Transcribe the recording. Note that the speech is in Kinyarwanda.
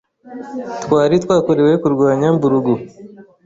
Twari twakorewe kurwanya mburugu